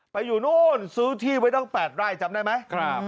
ไปอยู่โน้นซื้อที่ไว้ต้องแปดได้จำได้ไหม